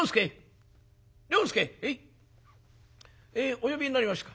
お呼びになりましたか？」。